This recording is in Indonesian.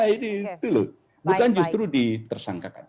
ini itu loh bukan justru ditersangkakan